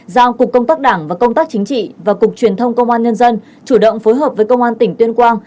giao cục công tác đảng và công tác chính trị và cục truyền thông công an nhân dân chủ động phối hợp với công an tỉnh tuyên quang